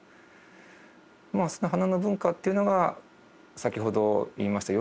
その花の文化というのが先ほど言いました